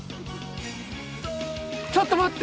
ちょっと待って！？